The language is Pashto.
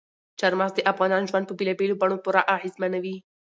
چار مغز د افغانانو ژوند په بېلابېلو بڼو پوره اغېزمنوي.